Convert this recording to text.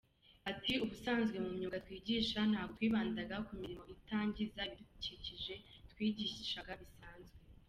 Ati “Ubusanzwe mu myuga twigisha ntabwo twibandaga ku mirimo itangiza ibidukikije, twigishaga bisanzwe.